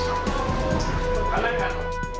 ซึ่งในบันทึกผิดหลังกัน